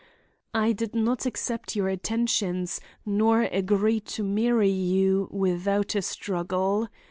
"I did not accept your attentions nor agree to marry you, without a struggle.